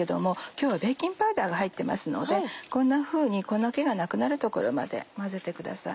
今日はベーキングパウダーが入ってますのでこんなふうに粉気がなくなるところまで混ぜてください